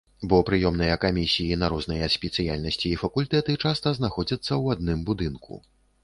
Бо прыёмныя камісіі на розныя спецыяльнасці і факультэты часта знаходзяцца ў адным будынку.